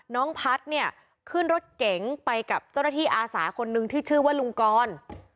น้องพัฒน์เนี่ยขึ้นรถเก๋งไปกับเจ้าหน้าที่อาสาคนนึงที่ชื่อว่าลุงกร